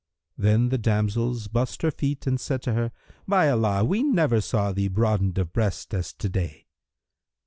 Then the damsels bussed her feet and said to her, "By Allah, we never saw thee broadened of breast as to day!"